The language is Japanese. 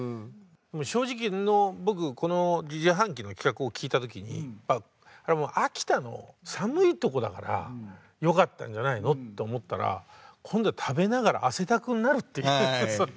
正直僕この自販機の企画を聞いた時にこれはもう秋田の寒いとこだからよかったんじゃないのって思ったら今度は食べながら汗だくになるっていうその。